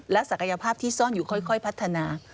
ศักยภาพที่ซ่อนอยู่ค่อยพัฒนา